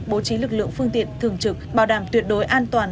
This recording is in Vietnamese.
bố trí lực lượng phương tiện thường trực bảo đảm tuyệt đối an toàn